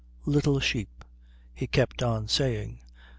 little sheep,..." he kept on saying.